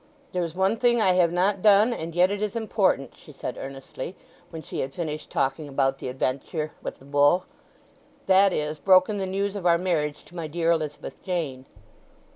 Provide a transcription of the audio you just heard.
"There is one thing I have not done; and yet it is important," she said earnestly, when she had finished talking about the adventure with the bull. "That is, broken the news of our marriage to my dear Elizabeth Jane."